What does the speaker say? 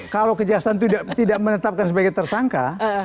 kalau kejahatan itu tidak menetapkan sebagai tersangka